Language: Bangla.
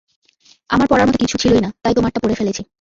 আমার পরার মত কিছু ছিলই না, তাই তোমারটা পরে ফেলেছি।